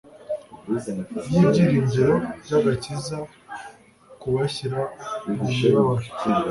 y'ibyiringiro by'agakiza kubashyira mu mibabaro